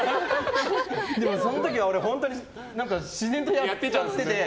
でもその時は本当に俺、自然とやっちゃってて。